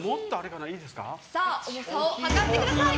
重さを量ってください。